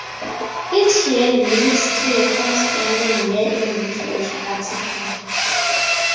Each year links to the corresponding "year in literature" article.